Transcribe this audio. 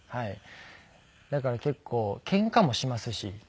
だから結構ケンカもしますし。